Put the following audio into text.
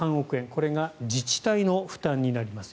これが自治体の負担になります。